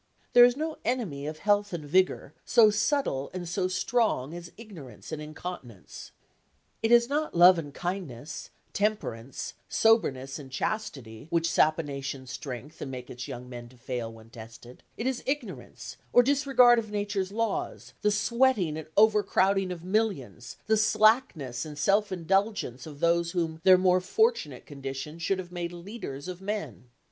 There is no enemy of health and vigour so subtle and so strong as ignorance and incontinence. It is not love and kindness, temperance, soberness and chastity which sap a nation's strength and make its young men to fail when tested; it is ignorance, or disregard of nature's laws, the sweating and overcrowding of millions, the slackness and self indulgence of those whom their more fortunate conditions should have made leaders of men.